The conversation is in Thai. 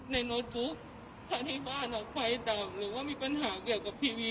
ในโน๊ตบุ๊คถ้าที่บ้านเอาไฟดำหรือว่ามีปัญหาเกี่ยวกับพิวี